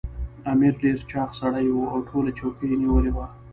امیر ډېر چاغ سړی وو او ټوله چوکۍ یې نیولې وه.